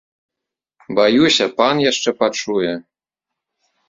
Баюся, пан яшчэ пачуе!